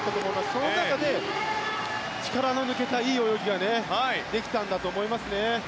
その中で力の抜けた、いい泳ぎができたんだと思いますね。